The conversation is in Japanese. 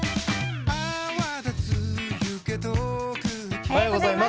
おはようございます。